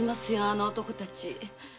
あの男たち。